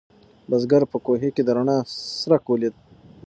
بزګر په کوهي کې د رڼا څرک ولید.